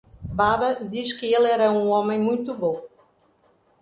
Baba disse que ele era um homem muito bom.